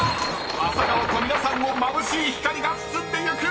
［朝顔と皆さんをまぶしい光が包んでゆく！］